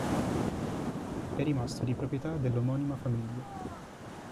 È rimasto di proprietà della omonima famiglia.